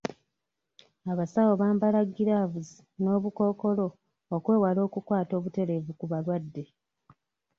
Abasawo bambala giraavuzi n'obukookola okwewala okukwata obutereevu ku balwadde.